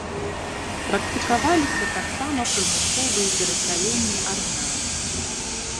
Практыкаваліся таксама прымусовыя перасяленні армян.